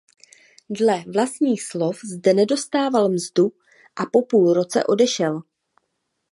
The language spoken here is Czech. Dle vlastních slov zde nedostával mzdu a po půl roce odešel.